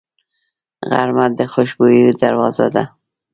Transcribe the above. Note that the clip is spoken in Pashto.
غرمه د خوشبویو دروازه ده